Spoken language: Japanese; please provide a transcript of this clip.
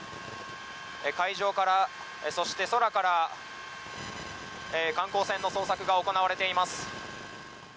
海上から、そして空から観光船の捜索が行われています。